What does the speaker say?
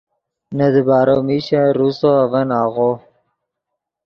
نے دیبارو میشن روسو اڤن آغو